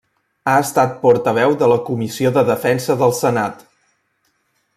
Ha estat portaveu de la Comissió de Defensa del Senat.